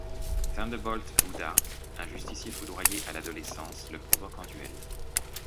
Thunderbolt Buddha, un justicier foudroyé à l'adolescence, le provoque en duel.